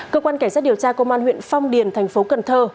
cơ quan cảnh sát điều tra công an huyện phong điền tp cần thơ